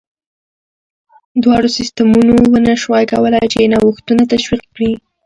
دواړو سیستمونو ونه شوای کولای چې نوښتونه تشویق کړي.